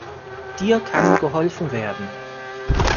Dir kann geholfen werden.